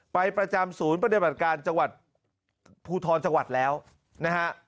ประจำศูนย์ปฏิบัติการจังหวัดภูทรจังหวัดแล้วนะฮะ